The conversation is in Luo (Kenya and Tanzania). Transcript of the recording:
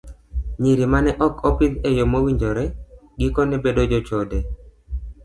Nyiri ma ne ok opidh e yo mowinjore, gikone bedo jochode.